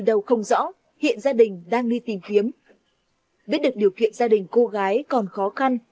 đau không rõ hiện gia đình đang đi tìm kiếm biết được điều kiện gia đình cô gái còn khó khăn